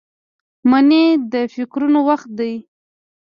منی د فکرونو وخت دی